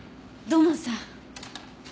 土門さん。